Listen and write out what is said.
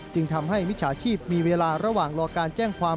จึงทำให้มิจฉาชีพมีเวลาระหว่างรอการแจ้งความ